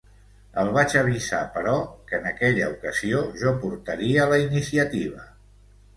El vaig avisar però, que en aquella ocasió jo portaria la iniciativa.